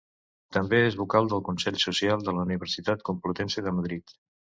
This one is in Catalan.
També és vocal del Consell Social de la Universitat Complutense de Madrid.